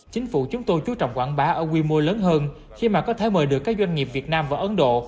chính phủ chúng tôi chú trọng quảng bá ở quy mô lớn hơn khi mà có thể mời được các doanh nghiệp việt nam và ấn độ